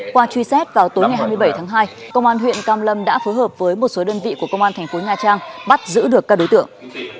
qua truy xét vào tối ngày hai mươi bảy tháng hai công an huyện cam lâm đã phối hợp với một số đơn vị của công an thành phố nha trang bắt giữ được các đối tượng